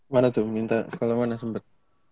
mana tuh minta sekolah mana sempet